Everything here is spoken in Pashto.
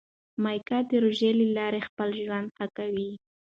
میکا د روژې له لارې خپل ژوند ښه کوي.